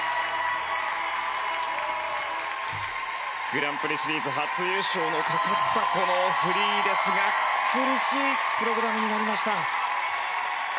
グランプリシリーズ初優勝のかかったこのフリーですが苦しいプログラムになりました。